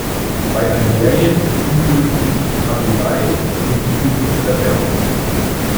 Bei Algerien beunruhigen mich die Kabylei und die Zukunft der Berber.